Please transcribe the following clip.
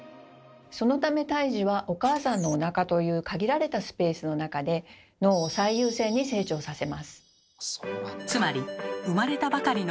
そのため胎児はお母さんのおなかという限られたスペースの中で脳を最優先に成長させます。